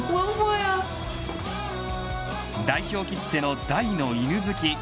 代表きっての大の犬好き。